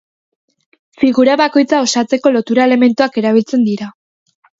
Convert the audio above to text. Figura bakoitza osatzeko lotura elementuak erabiltzen dira.